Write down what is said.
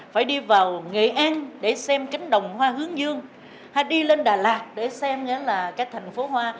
phải đi vào nghệ an để xem cánh đồng hoa hướng dương hay đi lên đà lạt để xem là cái thành phố hoa